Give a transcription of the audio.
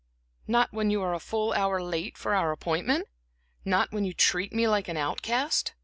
"Not when you are a full hour late for our appointment? Not when you treat me like an outcast?